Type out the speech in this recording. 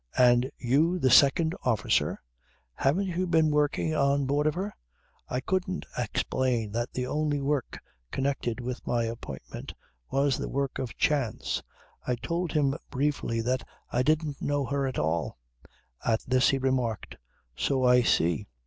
"And you the second officer! Haven't you been working on board of her?" "I couldn't explain that the only work connected with my appointment was the work of chance. I told him briefly that I didn't know her at all. At this he remarked: "So I see.